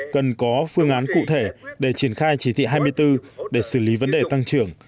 còn một số nguồn vốn chưa xử lý được